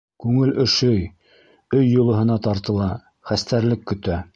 Күңел өшөй, өй йылыһына тартыла, хәстәрлек көтә.